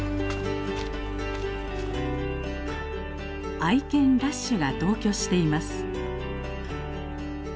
愛犬ラッシュが同居しています。